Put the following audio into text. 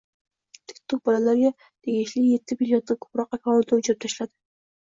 TikTok bolalarga tegishliyettimilliondan ko‘proq akkauntni o‘chirib tashladi